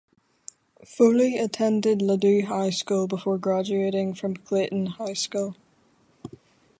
Foley attended Ladue High School, before graduating from Clayton High School.